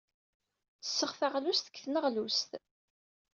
Ttesseɣ taɣlust deg tneɣlust.